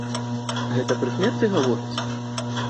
Гэта пры смерці гавораць?